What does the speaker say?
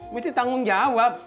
mesti tanggung jawab